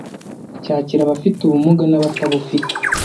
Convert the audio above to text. cyakira abafite ubumuga n’abatabufite